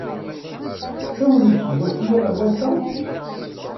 Tessawlem seg wass-nni ɣer wass-a?